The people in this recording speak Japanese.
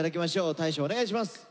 大昇お願いします。